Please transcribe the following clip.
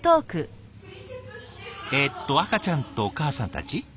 えっと赤ちゃんとお母さんたち？